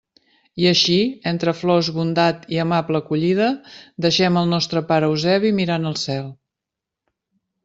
I així, entre flors, bondat i amable acollida, deixem el nostre pare Eusebi mirant al cel.